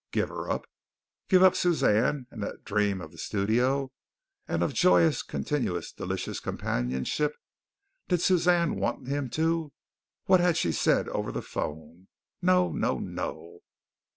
Give her up! Give up Suzanne and that dream of the studio, and of joyous, continuous, delicious companionship? Did Suzanne want him to? What had she said over the phone? No! No! No!